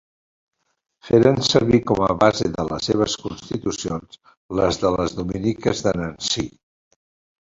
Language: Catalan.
Feren servir com a base de les seves constitucions les de les Dominiques de Nancy.